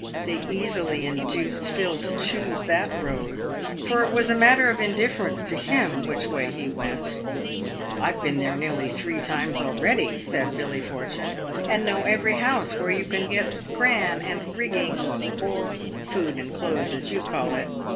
They easily induced Phil to choose that road, for it was a matter of indifference to him which way he went. "I've been there three times already," said Billy Fortune, " and know every iiouse where you can get ' scran' and ' rigging,' or food and clothes as you call it.